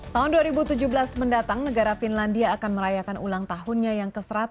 tahun dua ribu tujuh belas mendatang negara finlandia akan merayakan ulang tahunnya yang ke seratus